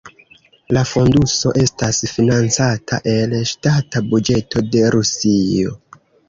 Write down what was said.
La fonduso estas financata el ŝtata buĝeto de Rusio.